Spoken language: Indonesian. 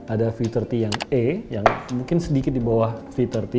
ada fu tiga puluh yang e yang mungkin sedikit di bawah v tiga puluh